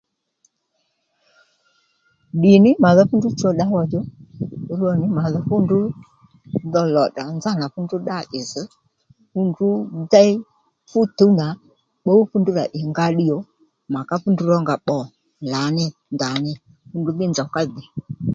Ddi nì mà dho fú ndrǔ cho ddǎwà djò rwo nì mà dho fú ndrǔ dho lò tdrà nzánà fú ndrǔ ddá ì zz̀ fú ndrǔ déy fú tuw nà pbǔw fú ndrǔ rà ì nga ddiyò mà ká fú ndrǔ rónga pbò lǎní ndaní fú ndrǔ dhí nzòw ka dhìy